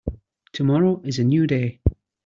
Tomorrow is a new day.